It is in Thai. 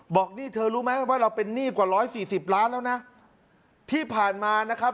บอกนี่เธอรู้ไหมว่าเราเป็นหนี้กว่าร้อยสี่สิบล้านแล้วนะที่ผ่านมานะครับ